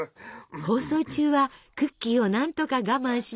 放送中はクッキーを何とか我慢しましたが。